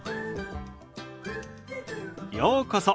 ようこそ。